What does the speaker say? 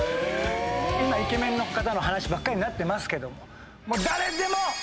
今イケメンの方の話ばっかりになってますけども。